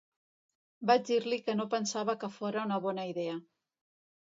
Vaig dir-li que no pensava que fóra una bona idea.